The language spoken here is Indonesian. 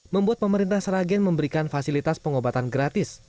membuat pemerintah sragen memberikan fasilitas pengobatan gratis